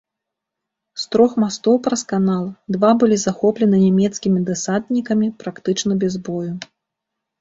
З трох мастоў праз канал два былі захоплены нямецкімі дэсантнікамі практычна без бою.